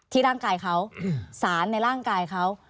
ร่างกายเขาสารในร่างกายเขา